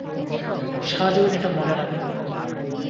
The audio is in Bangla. সারাজীবন এটা মনে রাখবো।